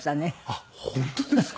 あっ本当ですか？